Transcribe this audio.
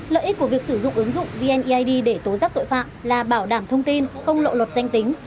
lợi ích của việc sử dụng ứng dụng vneid để tố giác tội phạm là bảo đảm thông tin không lộ luật danh tính